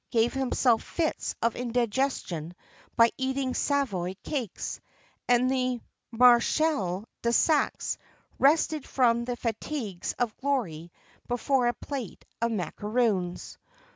gave himself fits of indigestion by eating Savoy cakes; and the Maréchal de Saxe rested from the fatigues of glory before a plate of macaroons.